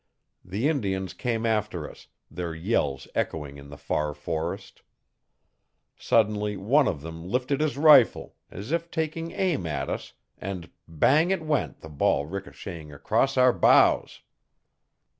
The Indians came after us, their yells echoing in the far forest. Suddenly one of them lifted his rifle, as if taking aim at us, and, bang it went the ball ricocheting across our bows.